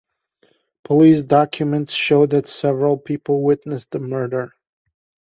Police documents show that several people witnessed the murder.